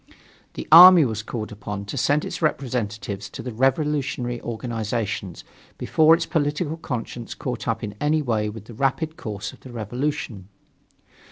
The army was called upon to send its representatives to the revolutionary organizations before its political conscience caught up in any way with the rapid course of the revolution.